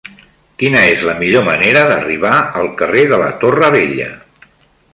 Quina és la millor manera d'arribar al carrer de la Torre Vella?